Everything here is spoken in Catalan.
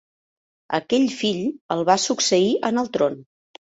Aquest fill el va succeir en el tron.